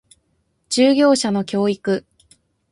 従業者の教育